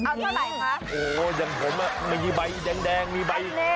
มอลำคลายเสียงมาแล้วมอลำคลายเสียงมาแล้ว